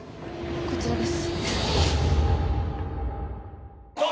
こちらです